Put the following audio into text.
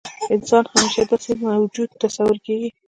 انسان همیشه داسې موجود تصور کېږي.